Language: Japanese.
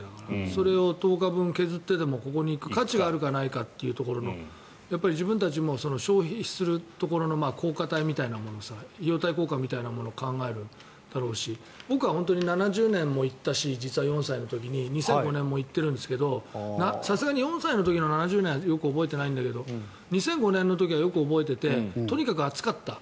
それを１０日分削ってでもここに行く価値があるかというところの自分たちも消費するところの費用対効果みたいなものを考えるだろうし僕は７０年も行ったし実は、４歳の時に２００５年も行ってるんですがさすがに４歳の時はよく覚えてないんだけど２００５年の時はよく覚えていてとにかく暑かった。